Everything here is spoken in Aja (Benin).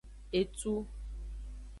Etu.